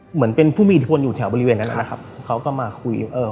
เหมือนเป็นผู้มีอิทธิพลอยู่แถวบริเวณนั้นนะครับเขาก็มาคุยเออ